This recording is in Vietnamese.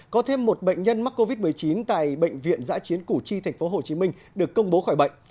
có thêm một bệnh nhân mắc covid một mươi chín tại bệnh viện giã chiến củ chi tp hcm được công bố khỏi bệnh